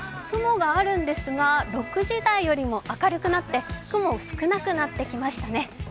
雲があるんですが６時台より明るくなって、雲も少なくなってきましたね。